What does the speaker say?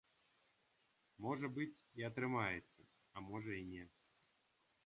Можа быць, і атрымаецца, а можа і не.